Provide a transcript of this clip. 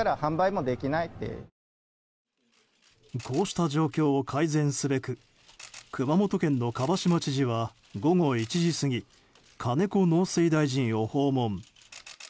こうした状況を改善すべく熊本県の蒲島知事は午後１時過ぎ金子農水大臣を訪問。